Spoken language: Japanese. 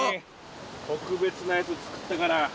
特別なやつ作ったから。